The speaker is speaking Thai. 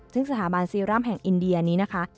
ซึ่งสถาบันซีรั่มแห่งอินเดียนี้นะคะ